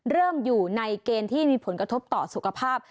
อยู่ในเกณฑ์ที่มีผลกระทบต่อสุขภาพ